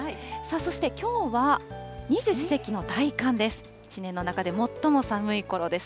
そしてきょうは二十四節気の大寒です。